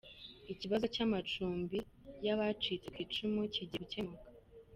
Ikibazo cy’amacumbi y’abacitse ku icumu kigiye gukemuka